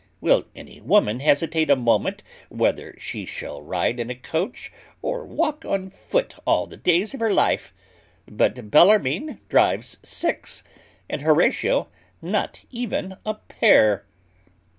Will any woman hesitate a moment whether she shall ride in a coach or walk on foot all the days of her life? But Bellarmine drives six, and Horatio not even a pair."